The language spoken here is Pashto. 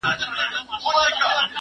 ليکنه د زده کوونکي له خوا کيږي!.